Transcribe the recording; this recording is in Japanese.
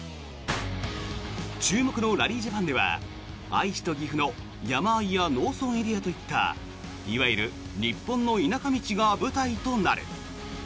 注目のラリージャパンでは愛知と岐阜の山あいや農村エリアといったいわゆる日本の田舎道が舞台となる。